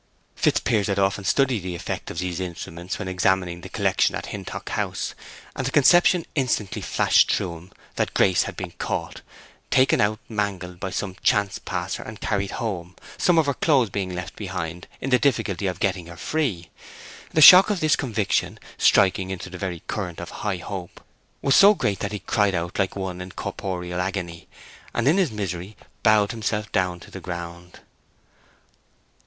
Fitzpiers had often studied the effect of these instruments when examining the collection at Hintock House, and the conception instantly flashed through him that Grace had been caught, taken out mangled by some chance passer, and carried home, some of her clothes being left behind in the difficulty of getting her free. The shock of this conviction, striking into the very current of high hope, was so great that he cried out like one in corporal agony, and in his misery bowed himself down to the ground.